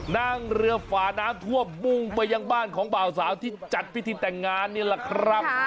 นั่งเรือฝาน้ำท่วมมุ่งไปยังบ้านของบ่าวสาวที่จัดพิธีแต่งงานนี่แหละครับ